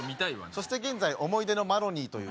そして現在「思い出のマロニー」という。